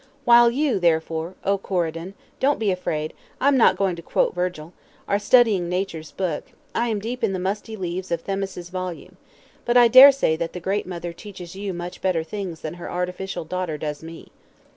While you, therefore, oh Corydon don't be afraid, I'm not going to quote Virgil are studying Nature's book, I am deep in the musty leaves of Themis' volume, but I dare say that the great mother teaches you much better things than her artificial daughter does me.